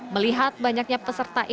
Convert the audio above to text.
melihat banyaknya peserta ini